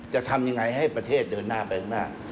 จะทำยังไงให้ประเทศเดินหน้าไปข้างหน้า